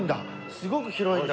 すごく広いんだ。